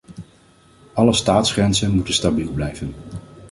Alle staatsgrenzen moeten stabiel blijven.